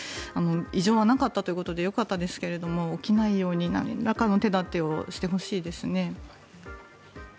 異常はなかったということでよかったですけれど起きないようになんらかの手立てをしてほしいですね。